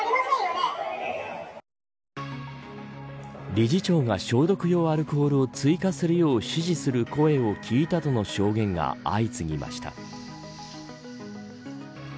理事長が消毒用アルコールを追加するよう指示する声を聞いたとの証言が相次ぎました。